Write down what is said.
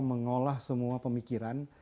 mengolah semua pemikiran